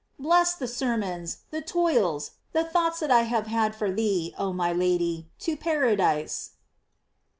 Blessed the sermons, the toils, the thoughts that I have had for thee, oh my Lady ! To paradise."